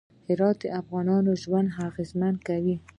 هرات د افغانانو ژوند اغېزمن کوي.